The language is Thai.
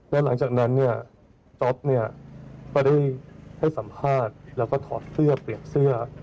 และหลังจากนั้นเนี่ยจ๊อปเนี่ยก็ได้ให้สัมภาษณ์แล้วก็ถอดเสื้อเปลี่ยนเสื้อ